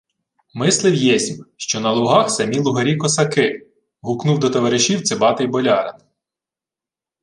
— Мислив єсмь, що на Лугах самі лугарі-косаки! — гукнув до товаришів цибатий болярин.